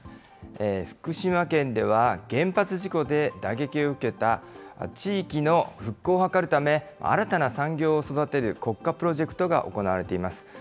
福島県では、原発事故で打撃を受けた地域の復興を図るため、新たな産業を育てる国家プロジェクトが行われています。